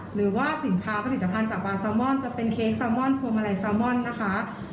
หรือว่าสินค้าผลิตภัณฑ์จากปลาซัลมอนด์จะเป็นเค้กซัลมอนด์โฟมะไลน์ซัลมอนด์นะคะ